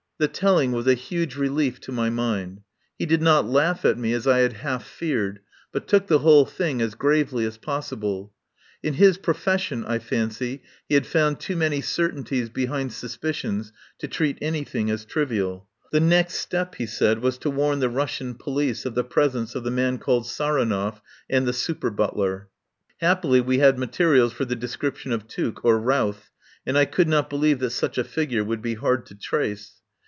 The telling was a huge relief to my mind. He did not laugh at me as I had half feared, but took the whole thing as gravely as possi ble. In his profession, I fancy, he had found too many certainties behind suspicions to treat anything as trivial. The next step, he said, was to warn the Russian police of the presence of the man called Saronov and the super but ler. Happily we had materials for the de scription of Tuke or Routh, and I could not believe that such a figure would be hard to trace.